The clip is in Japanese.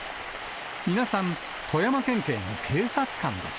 皆さん、富山県警の警察官です。